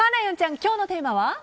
今日のテーマは？